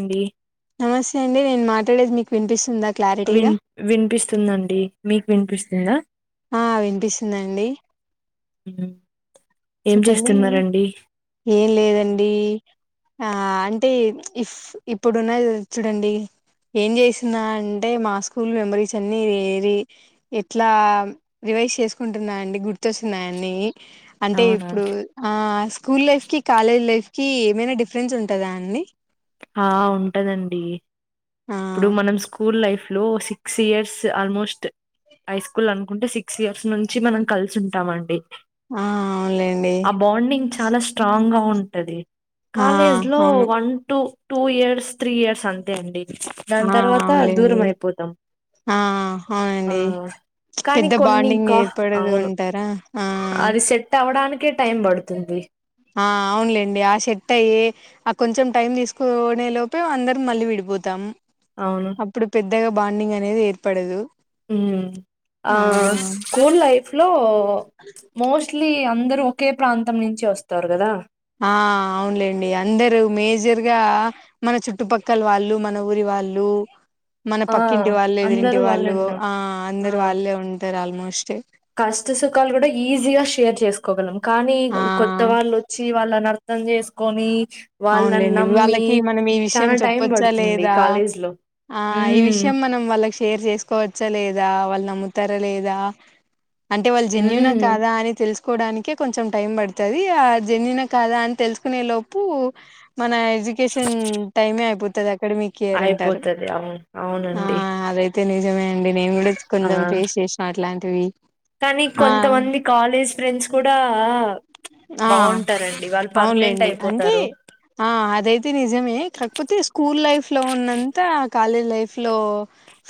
అండి నమస్తే అండి నేను మాట్లాడేది మీకు వినిపిస్తుంద విన్ వినిపిస్తుందండి. మీకు వినిపిస్తుందా? ఆ వినిపిస్తుందండి. హ్మ్. ఏం చెప్పండి చేస్తున్నారండి ఏం లేదండి. ఆ అంటే ఇఫ్ ఇప్పుడున్న చూడండి ఏం చేస్తున్నా అంటే మా స్కూల్ మెమరీస్ అన్ని ఏరి ఎట్లా రివైజ్ చేసుకుంటున్నా అండి గుర్తొస్తున్నాయి అన్నీ. అంటే అవునా ఇప్పుడు ఆ స్కూల్ లైఫ్ కి కాలేజ్ లైఫ్ కి ఏమైనా డిఫరెన్స్ ఉంటదా అండి? ఆ ఉంటదండి ఆ ఇప్పుడు మనం స్కూల్ లైఫ్ లో six years almost high school అనుకుంటే సిక్స్ ఇయర్స్ నుంచి మనం కలిసి ఉంటమండి. ఆ అవునులేండి చాలా స్ట్రాంగ్ గా ఉంటది. ఆ కాలేజ్ లో అవును one two two years, three years, అంతే అండి. ఆ దాని తర్వాత దూరం అవునులేండి అయిపోతాం. ఆ ఆ అవునండి కానీ పెద్ద కొన్ని బాండింగ్ కా ఏర్పడదు అవును అంటారా ఆ అది సెట్ అవ్వడానికి కే టైమ్ పడుతుంది. ఆ అవునులేండి ఆ సెట్టు అయ్యే ఆ కొంచెం టైం తీసుకునే లోపే అందరం మళ్ళీ విడిపోతాం. అవును అప్పుడు పెద్ ద్దగా బాండింగ్ అనేది ఏర్పడదు. మ్మ్ ఆ స్కూల్ లైఫ్ లో మోస్ట్లీ అంద రు ఒకే ప్రాంతం నుంచి వస్తరు కదా. ఆ అవునులేండి అందరు మేజర్గా మన చుట్టుపక్కల వాళ్ళు, మన ఊరి వాళ్ళు, మన ఆ పక్కింటి వాళ్ళు ఎదిరింటి అందరు వాళ్ళే వాళ్ళు ఉంట ఆ ఆ అందరు వాళ్ళే ఉంటారు ఆల్మోస్ట్ కష్ట సుఖాలు కూడ ఈజీగా షేర్ చేసుకోగలం కానీ కొత్త ఆ వాళ్ళు వచ్చి వాళ్ళన ర్థం చేసుకొనీ అవునులేండి వాళ్ళకి మనం ఈ విషయం చానా టైం చెప్పొచ్చ పడుతుంది లేదా కాలేజ్ లో ఆ ఆ ఈ హ్మ్ విషయం మనం వాళ్ళకి షేర్ చేసుకోవచ్చా లేదా, వాళ్ళు నమ్ముతరా లేదా అంటే వాళ్ళు జన్యునా హ్మ్ కాదా అని తెలుస్ కోడానికి కొంచెం టైం పడుతది ఆ జెన్యూన్ కాదా అని తెలుసుకునే లోపూ మన ఎడ్యుకేషన్ టైమే అయిపోది [unintelligible] అక్కడ మీకుయరుంటారు అయిపోతది అవును ఆ అవునండి అదైతే తనేజమే అ నేను కూడా ఆ కొంచెం ఫేస్ చేసినాను అట్లాంటి ద కానీ కొంతమంది కాలేజ్ ఫ్రెండ్స్ కూడా ఆ బాగుంటారండి వాళ్ళు పర్మనెంట్ అవునులేండి, అంటే అయిపోతారు ఆ అదైతే నిజమే కాకపోతే స్కూల్ లైఫ్ లో ఉన్నంతా కాలేజ్ లైఫ్ లో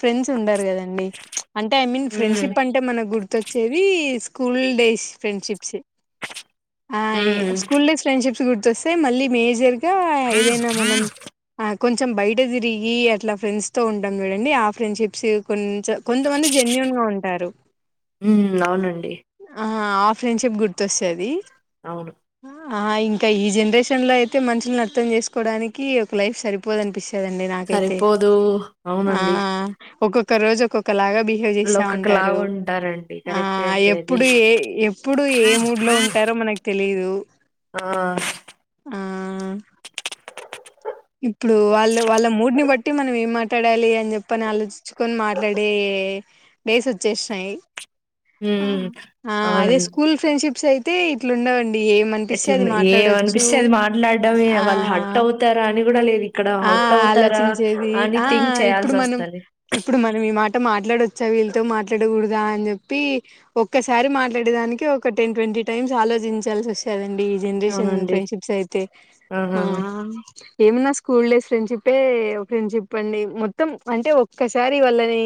ఫ్రెండ్స్ ఉండారు కదా అంటే ఐ మీన్ హ్మ్ ఫ్రెండ్షిప్ అంటే మనకు గుర్తొచ్చేది స్కూల్ డేస్ ఫ్రెండ్షిప్స్ ఆ హ్మ్. స్కూల్ ఫ్రెండ్షిప్స్ గు సే మళ్ళీ మేజర్ ఇదేనా మనం కొంచెం బయట తిరిగి అట్లా ఫ్రెండ్స్ తో ఉంటాం చూడండి ఆ ఫ్రెండ్షిప్స్ కొ కొంతమంది జెన్యుూన్ గా ఉంటారు హ్మ్. అవునండి. ఆ ఆ ఫ్రెండ్షిప్ గుర్తొస్తది అవును ఆ ఇంకా ఈ జనరేషన్ లో అయితే మనుషుల్ని అర్థం చేసుకోవడానికి, ఒక లైఫ్ సరిపోదనిపిస్తుంది. దండి నాకైతే సరిపోదు. ఆ అవునండి. ఒక్కొక్క ఒకక్క రోజు ఒకక్కలాగా బిహేవ్ చేస్తా ఉంటారు, ఈళ్ళొక్కకలాగా ఉంటారండి. ఆ కరెక్టే అండి అది. ఎప్పుడు ఏ ఎప్పుడు ఏ మూడ్ లో ఉంటారో తెలీదు ఆ ఆ ఇప్పుడు వాళ్ళు వాళ్ళ మూడ్ని బట్టి మనం ఏం మాట్లాడాలి అని చెప్పని ఆలోచించుకొని మాట్లాడే డేస్ వచ్చేసినాయి హ్మ్. ఆ అదే అవునండి. స్కూల్ ఫ్రెండ్షిప్స్ [unintelligible] తే ఇట్ల [unintelligible] ఎట్లా ఏమ అనిపిస్తే అది మాట్లాడమే ఆ వాళ్ళు హట్ అవుతారా అని గూడా లేదు. ఇక్కడ ఆ హర్ట్ అవుతారా ఆలోచించేది అని ఆ థింక్ ఇప్పుడు మనం చేయాల్సొస్తది. ఇప్పుడు మనం ఈ మాట అ మాట్లాడొచ్చా వీళ్ళతో మాట్లాడకూడదా అని చెప్పి ఒక్కసారి మాట్లాడేదానికి ఒక టెన్ ట్వంటీ టైమ్స్ ఆలోచించాల్సి వచ్చేది డి ఈ జెనరేషన్ అవునండి. ఫ్రెండ్షిప్స్ అయితే ఆ ఏమనా స్కూల్ డేస్ ఫ్రెండ్షిప్ే ఫ్రెండ్షిప్ అండి మొత్తం అంటే ఒక్కసారి వాళ్ళని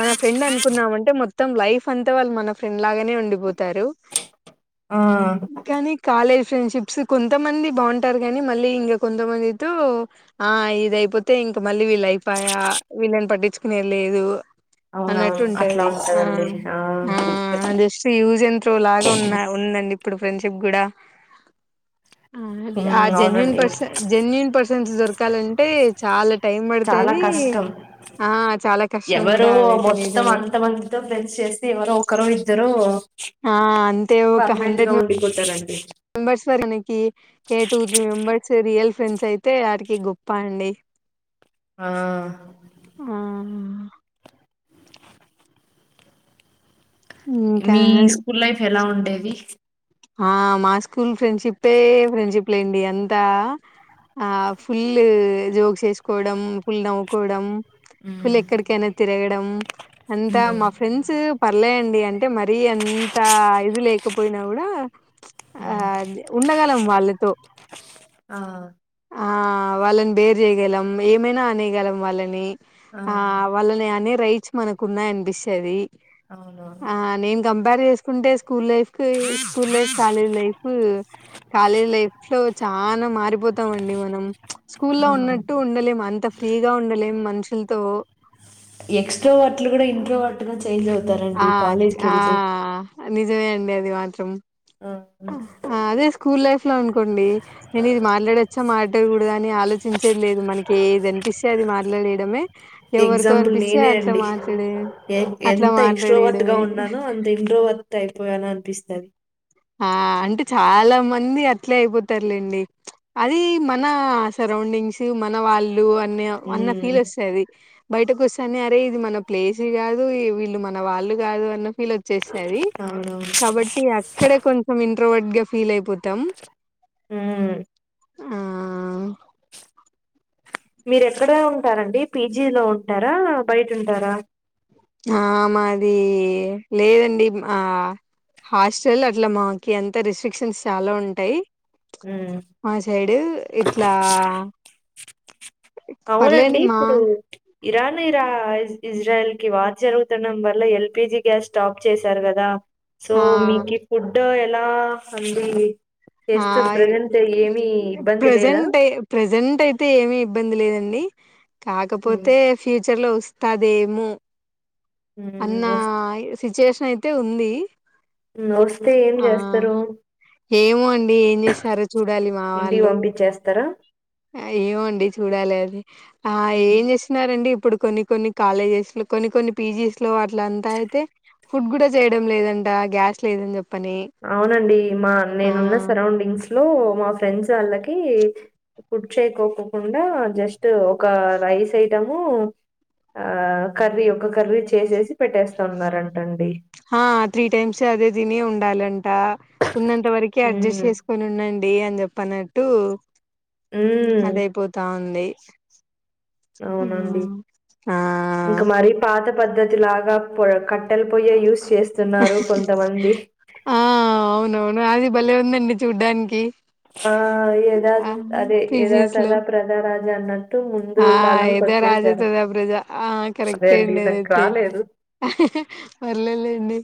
మన ఫ్రెండ్ అనుకున్నామంటే మొత్తం మొత్తం లైఫ్ అంతా వాళ్ళు మన ఫ్రెండ్ లాగానే ఉండిపోతారు ఆ కానీ కాలేజ్ ఫ్రెండ్షిప్స్ కొంతమంది బాగుంటారు కానీ మళ్ళీ ఇంకా కొంతమందితో ఆ ఇదైపోతే ఇంకా మళ్ళీ విళ్ళు అయిపోయా విీళని పట్టించు న లేదు అవునవును. అన్నట్టు అట్లా ఉంటాది ఆ ఉంటదండి. ఆ జస్ట్ యూజన్ త్రో లాగా ఉన్న ఉందండి ఇప్పుడు ఫ్రెండ్షిప్ కూడా ఆ హ్మ్. జెన్యుూన్ అవునండి. పర్సన్ జెన్యుూన్ పర్సన్ న్స్ దొరకాలంటే చాలా టైం చాలా పడతది కష్టం ఆ చాలా కష్టం గూడా ఎవరో అదైతే మొత్తం నిజమే అంతమందితో ఫ్రెండ్స్ చేస్తే ఎవరో ఒకరో ఇద్దరో ఆ అంతే ఒక పర్మనెంట్ గా హండ్రెడ్ ఉండిపోతారండి నెబేర్స్ అనకి a two three members real friends అయితే వారికి గొప్ప అండి ఆ ఆ ఇంకా మీ స్కూల్ లైఫ్ ఎలా ఉండేది ఆ మా స్కూల్ ఫ్రెండ్షిప్ే ఫ్రెండ్షిప్ లేండి అంతా ఆ ఫుల్ జోక్స్ వేసుకోవడం ఫుల్ నవ్వుకోవడం ఉమ్ ఫుల్ ఎక్కడికైనా తిరగడం అంతా మా ఫ్రెండ్స్ పర్లేయంండి అంటే మరీ ఎంత ఇది లేకపోయినా కూడా ఆ ఉమ్ ఉండగలం వాళ్ళతో ఆ ఆ వాళ్ళని బేర్ చేయగలం ఏమైనా అనేయగలం వాళ్ళని ఆ వాళ్ళనే అనే రైట్ మనకున్నాయి అనిపిస్తాది అవునవును ఆ నేను కంపేర్ చేసుకుంటే school life school life college life college life లో చాలా మారిపోతు స్తాంమండి మనం ఆ స్కూల్లో ఉన్నట్టు ఉండలేము అంత ఫ్రీగా ఉండలేం మనుషులతో ఎక్స్ట్రో వార్ట్లు కూడా ఇంట్రో వర్ట్ గా చేంజ్ అవుత ఆ ఆ నిజమే అండి అది మాత్రం ఆ అదే స్కూల్ లైఫ్ లో అనుకోండి నేను ఇది మాట్లాడవచ్చా మాట్లాడకూడదా అని ఆలోచించ లేదు మనకి ఏది అనిపిస్తే అది మాట్ ట్లాడేయడమే ఎగ్జాంపుల్ నేనే అండి ఎ అట్లా ఎంత ఎక్స్ క్స్ట్రోవర్ట్ గా మాట్లాడేయడమే ఉన్నానో అంత ఇంట్రో వర్ట్ అయిపోయానని అనిపిస్తుంది నది ఆ అంటే చాలా మంది అట్లే అయిపోతారులేండి అది మన సరౌండింగ్స్ మన వాళ్ళు లు అన్న ఉమ్ ఫీల్ వస్తది బయటకు వస్తానే అరే ఇది మన ప్లేసే కాదు వీళ్ళు మన వాళ్ళు కాదు అన్న వీల్ వచ్చేస్తది అవునవును కాబట్టి మ [unintelligible] ఇంట్రోవర్ట్ గా ఫీ ఫీల్ అయిపోతాం ఉమ్ ఆ మీర ఎక్కడ ఉంటారండి పీజీలో ఉంటారా బయట ఉంటారా ఆ మాది లేదండి మా హాస్టల్ అట్లా మాకి అంత రిస్ట్రిక్షన్స్ చాలా ఉంటాయి ఉమ్ మా సైడ్ ఇట్లా అవునండి పర్లేండి మా ఇప్పుడు ఇరాన్ ఇరా ఇజ్రాయల్ కి వార్ జరుగుతుడం వల్ల ఎల్పిజి గ్యాస్ స్టాప్ చేశారు కదా సో ఆ మీకి ఫుడ్ ఎలా సందీ ఆ ఇబ్బంది లేదా? ప్రజెంట్ ప్రజెంట్ అయితే ఏమి ఇబ్బంది లేదండి హ్మ్. కాకపోతే ఫ్యూచర్ లో వస్ స్తదేమో హ్మ్. అన్న వస్ సిచువేషన్ అయితే ఉంది హ్మ్. వస్తే ఏం ఆ జేస్తారు? ఏమో అండి ఏం చేస్తారో చూడాలి మా ఇంటికి వాళ్ళు పంపించేస్తారా? ఏమో అండి చూడాలి అది ఆ హ్మ్. ఏం చేస్తున్నారండి ఇప్పుడు కొన్ని కొన్ని కాలేజెస్ లో కొన్ని కొన్ని పీజీస్ లో అట్ల అంతా అయితే ఫుడ్ కూడా చేయడం లేదంట గ్యాస్ లేదని చెప్ అవునండి మా నేనున్న సరౌండింగ్స్ లో మా ఫ్రెం ఫ్రెండ్స్ వాళ్ళకి ఫుడ్ చేసుకోకోకుండా జస్ట్ ఒక రైస్ ఐటము ఆ కర్రీ ఒక కర్రీ చేసేసి పెట్టేస్తా ఉన్నారంటండి హా త్రీ టైమ్స్ అదే తిని ఉండాలంట ఉన్నంత వరకే అడ్జస్ట్ హ్మ్ చేసుకోను ఉండండి అని చెప్పరు టూ హ్మ్ అదే పోతావుంది అవునండి ఆ ఇంకా మరి పాత పద్ధతిలాగ కట్టల్ పొయ్యి యూస్ చేస్తున్నారు కొంతమంది. ఆ అవునవును అదిబలె ఉందండి చూడ్డానికి ఆ ఏదా ఆ అదే ఏదా పీజీస్ లో తదా ప్రధాన లండన్ ఆ ఏదో రాజేతుద ప్రజ ఆ అదే కరెక్టే అండి నాకు ఏదైతే రాలేదు. అహ ఇహ వర్లేలేండి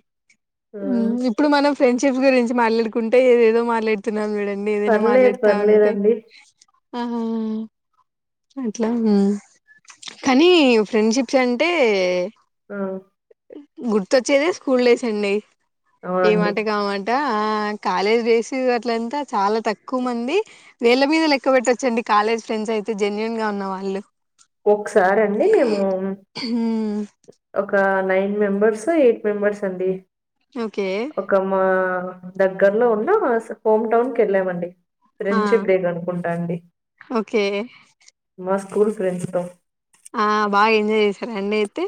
ఆ ఇప్పుడు మనం ఫ్రెండ్స్ చీఫ్ గురించి మాట్లాడుకుంటే ఏదో ఏదో మాట్లాడుతున్నారు మెడం మీరైనా పర్లేదు మాట్లాడుతా ఉంటే పర్లేదండి. ఆ ఆ ఆ అట్లాన కానీ ఫ్రెండ్షిప్స్ అంటే ఆ గుర్తొచ్చేదె స్కూల్ డేస్ అండి ఏ అవునండి. మాట కమాట ఆ కాలేజ్ డేస్ అట్లంతా చాలా తక్కువ మంది వేళ్ళ మీద లెక్క పెట్టొచ్చు కాలేజ్ ఫ్రెండ్స్ అయితే జన్యూన్ గా అన్నవాళ్లు ఒకసారి అండి మేము ఒక నైన్ మెంబెర్స్ ఎయిట్ మెంబెర్స్ అండి ఓకే ఒక మ్మా అ దగ్గర్లో ఉన్నా హస్ హోంమ్ టౌన్ కి వెళ్ళామండి ఆ ఫ్రెండ్షిప్ డే కి అనుకుంటా అండి ఓకే మా స్కూల్ ఫ్రెండ్స్ తొం ఆ బాగా ఎంజాయ్ చేశారు అండి తి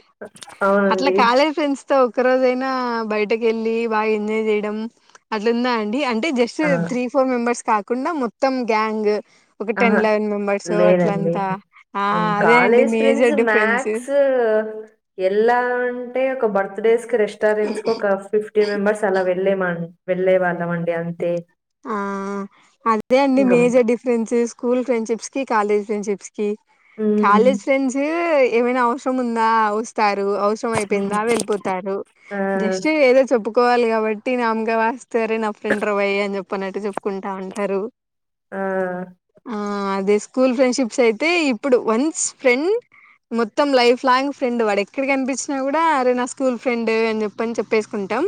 అట్లా అవునండి కాలేజ్ ఫ్రెండ్స్ తో ఒక్క రోజు అయినా బయట బయటకెళ్ళి బాగా ఎంజాయ్ చేయడం అట్లుందా అండి అంటే జస్ట్ ఆ త్రీ ఫోర్ మెబర్స్ క ఉన్న మొత్తం గ్యాంగ్ ఒక టెన్ ఆహా లయన్ మెంబర్స్ లేదండి అట్లంతా ఆ హ్మ్. అదే అండి కాలేజ్ ఫ్రెండ్స్ మేజర్ డిఫరెన్స్ మక్స్ వెళ్లావంటే అంటే ఒక భర్త డేస్ క రెస్టారెంట్స్ ఒక ఫిఫ్టీన్ మేంబర్స్ అలా వెళ్ళేమ వెళ్ళే వాళ్ళ అండి అంతే ఆ అదే అండి ఇంక మేజర్ డిఫరెన్సెస్ స్కూల్ ఫ్రెండ్షిప్స్ కి కాలేజ్ ఫ్రెండ్షిప్స్ కి హ్మ్ కాలేజ్ ఫ్రెండ్స్ ఎ ఏమైనా అవసరం ఉందా వస్తారు అవస్ హ్మ్ రమైయిపోయిందా వెళ్ళిపోతారు ఆ జస్ట్ ఏదో చెప్పు కోవాలి కాబట్టి నమకె వాస్ సర నా ఫ్రెండ్రా బై అని చెప్ప చెప్పనట్టు చెప్పుకుంటా ఉంటారు ఆ ఆ అదే స్కూల్ ఫ్రెండ్షిప్స్ అయితే ఇప్పుడు వన్స్ ఫ్రెండ్ మొత్తం లైఫ్ లాంగ్ ఫ్రెండ్ వాడు ఎక్కడికి కనిపించినా కూడా అరే నా స్కూల్ ఫ్రెండ్ అని చెప్పని చెప్పేసుకుంటాం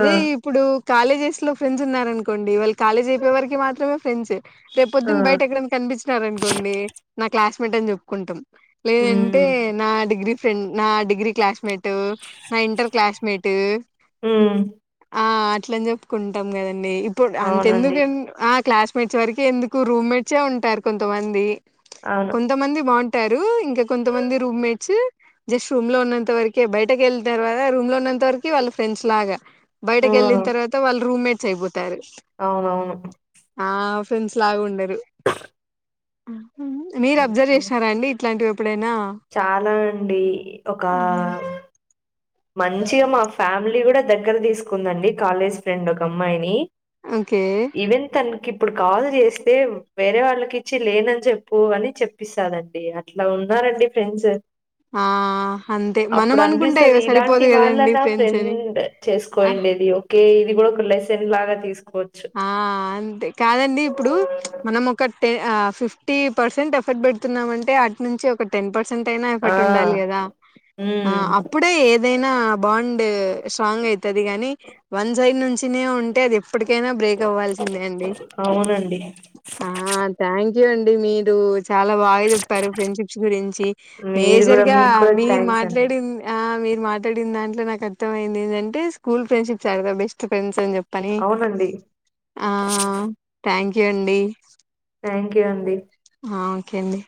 ఆ ఇప్పుడు కాలేజెస్ లో ఫ్రెండ్స్ ఉన్నారను కొండి వాళ్ళ కాలేజ్ అయిపోయే వరకి మాత్రమే ఫెండ్స్ రేపు ఆ పొద్దున్న బయట ఎక్కడనా కనిపించినార అనుకోండి నా క్లాస్మేట్ అని చెప్పుకుంటాం లేదంటే హ్మ్ నా డిగ్రీ ఫ్రెండ్ నా డిగ్రీ క్లాస్మేట్ ట్ ఇంటర్ క్లాస్ మేట్ హ్మ్ ఆ అని చెప్పుకుంటాం కదండి ఇప్పుడు అవునండి అంతందుకు అ క్లాస్ మెచ్ వరకు ఎందుకు రూమ్ మేట్స్ ఎ ఉంటారు కొంతమంది అవును కొంతమంది బాగుంటు టరు ఇంకా కొంతమంది రూమ్మేట్స్ జస్ట్ రూమ్ లో ఉన్నంత వరకె బయటక వెళ్ళిన తర్వాత రూమ్ లో ఉన్నంత వరకి వాళ్ళ ఫ్రెండ్స్ లాగా బయటకి హ్మ్ వెళ్లిన తరువాత వాళ్ళు రూమ్మేట్ సేబు తరు అవునవును ఫ్రెండ్స్ లాగా ఉండరు ఆ మీరు అబ్జర్వ్ హ్మ్. చేసిర అండి ఇట్లాంటివి ఎప్పుడైనా చాలా అండి ఒక మం ఓకే ఇవెన్ తనకి ఇప్పుడు కాల్ చేస్తే వేరే వాళ్ళకి ఇచ్చి లేనని చెప్పు అని చెప్పిస్తాదండి అట్లా ఉన్నారండి ఫ్రెండ్స్ ఆ అంతే మనం అనుకుంటే సరి అలాంటి వాళ్ళ నా ఫ్రెండ్ ఆ చేసుకోండేది ఓకే ఇది కూడా ఒక లెసన్ లాగా తీసుకు ఆ అంతే కాదండి ఇప్పుడు మనం ఒక టె ఆ ఫిఫ్టీ పర్సెంట్ ఎఫర్ట్ పెడుతున్నాం అంటే అటు నుంచి ఒక టెన్ పర్ సెంట్ అయినా ఆ! ఇటి ఉండాలి కదా ఆ హ్మ్. అప్పుడే ఏదైనా బాండ్ స్ట్రాంగ్ అవుతుది కానీ వన్ సైడ్ నుంచి ిన ఉంటే అది లేదా బ్రేక్ అవ్వాల్సిందే అండి అవునండి. ఆ థ్యా అండి మీరు చాలా బాగా చెప్పారు ఫ్రెండ్షిప్స్ గురించి మీరు మేజర్ గూడా గా మీకు కూడా మీరు థ్యాంక్స్ అండి. మాట్లాడి ఆ మాట్లాడిం దాంట్లో నాకు అర్థ అయిందింటే స్కూల్ ఫ్రెండ్షిప్ చాలా బెస్ట్ ఫ్రెండ్స్ అని చెప్పారు పనీ అండి థ్యాంక్యూ అండి థ్యాంక్యూ అండి ఆ ఓకే అండి